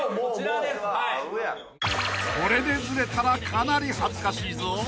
［これでずれたらかなり恥ずかしいぞ］